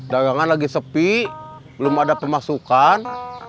dagangan lagi sepi belum ada pemasukan